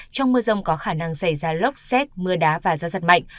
trong mưa rông có khả năng xảy ra lốc xét mưa đá và gió giật mạnh